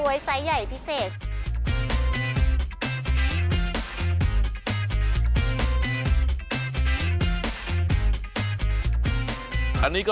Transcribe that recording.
ไม่รอชาติเดี๋ยวเราลงไปพิสูจน์ความอร่อยกันครับ